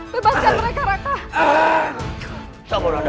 bebaskan mereka raka